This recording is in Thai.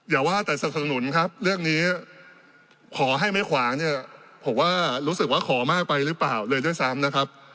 อย่าว่าแต่สนับสนุนครับเรื่องนี้ขอให้ไม่ขวางเนี่ยผมว่ารู้สึกว่าขอมากไปหรือเปล่าเลยด้วยซ้ำนะครับ